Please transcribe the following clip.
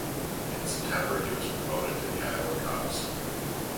In September he was promoted to the Iowa Cubs.